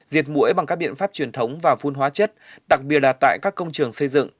diệt mũi bằng các biện pháp truyền thống và phun hóa chất đặc biệt là tại các công trường xây dựng